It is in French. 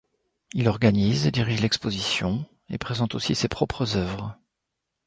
Il organise et dirige l'exposition et présente aussi ses propres œuvres.